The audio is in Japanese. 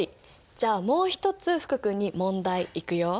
じゃあもう一つ福くんに問題いくよ。